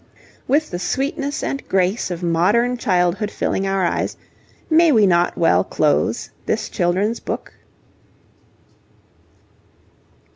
With the sweetness and grace of modern childhood filling our eyes, may we not well close this children's book?